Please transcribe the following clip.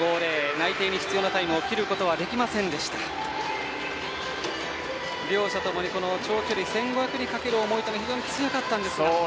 内定に必要なタイムを切ることはできませんでした。両者ともに長距離１５００にかける思いが非常に強かったんですが。